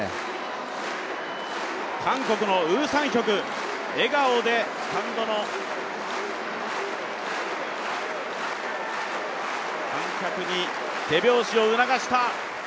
韓国のウ・サンヒョク、笑顔でスタンドの観客に手拍子を促した。